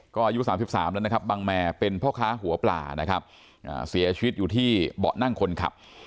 ก็อายุ๓๓แล้วนะครับบังแมเป็นพ่อค้าหัวปลานะครับเสียชีวิตอยู่ที่เบาะนั่งคนขับ